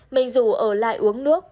mình dù ở lại uống nước